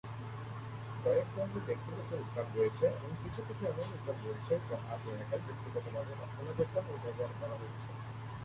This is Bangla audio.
কয়েক ধরনের ব্যক্তিগত উদ্যান রয়েছে এবং কিছু কিছু এমন উদ্যান রয়েছে যা আগে একাই ব্যক্তিগতভাবে রক্ষণাবেক্ষণ ও ব্যবহার করা হয়েছে।